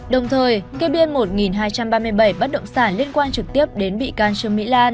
đồng thời kê biên một hai trăm ba mươi bảy bất động sản liên quan trực tiếp đến bị can trương mỹ lan